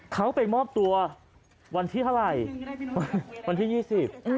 เขาไปมอบตัววันที่เท่าไรวันที่๒๐